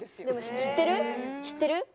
でも知ってる？